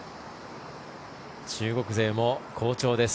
中国勢も好調です。